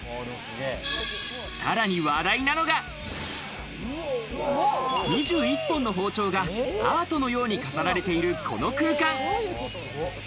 さらに話題なのが、２１本の包丁がアートのように飾られている、この空間。